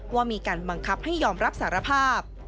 ว่ามีการบังคับให้ยอมรับสารภาพ